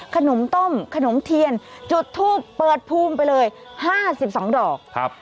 ขนมต้มขนมเทียนจุดทูปเปิดภูมิไปเลย๕๒ดอกครับ